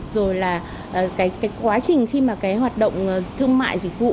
rồi là cái quá trình khi mà cái hoạt động thương mại dịch vụ